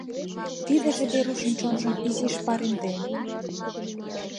Тидыже Верушын чонжым изиш паремден.